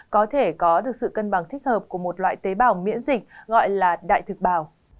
có thể có được sự cân bằng thích hợp của một loại tế bào miễn dịch gọi là đại thực bào